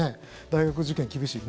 大学受験厳しい。